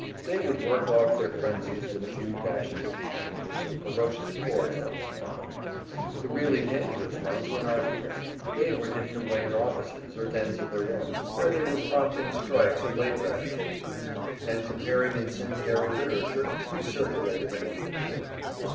They would work off their frenzies with a few dashes of paint or some ferocious chords on the piano. The really dangerous ones were not here; they were hidden away in offices or dens of their own, where they were prompting strikes and labor agitations, and preparing incendiary literature to be circulated among the poor.